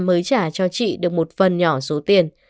mới trả cho chị được một phần nhỏ số tiền